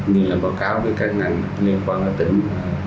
như là báo cáo với các ngành liên quan tới tỉnh